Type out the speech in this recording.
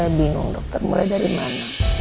saya bingung dokter mulai dari mana